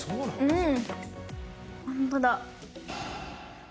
うん！